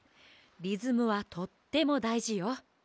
リズムはとってもだいじよ。